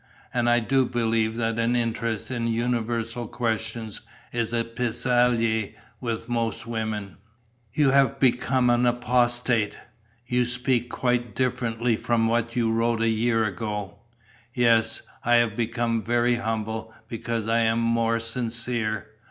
And I do believe that an interest in universal questions is a pis aller with most women." "You have become an apostate. You speak quite differently from what you wrote a year ago." "Yes, I have become very humble, because I am more sincere.